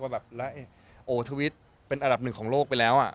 แบบแล้วโอ้ทวิตเป็นอันดับหนึ่งของโลกไปแล้วอ่ะ